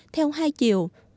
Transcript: theo hai chiều